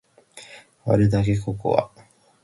割るだけココア